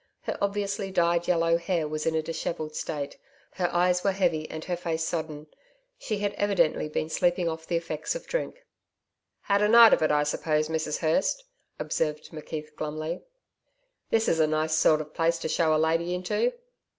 Her obviously dyed yellow hair was in a dishevelled state, her eyes were heavy and her face sodden. She had evidently been sleeping off the effects of drink. 'Had a night of it, I suppose, Mrs Hurst?' observed McKeith glumly. 'This is a nice sort of place to show a lady into.'